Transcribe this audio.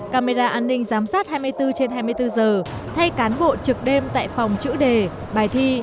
camera an ninh giám sát hai mươi bốn trên hai mươi bốn giờ thay cán bộ trực đêm tại phòng chữ đề bài thi